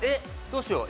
どうしよう。